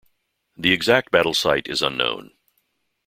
The exact battle site is unknown.